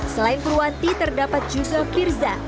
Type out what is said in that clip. selain purwanti terdapat juga pirza